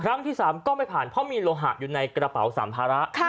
ที่๓ก็ไม่ผ่านเพราะมีโลหะอยู่ในกระเป๋าสัมภาระ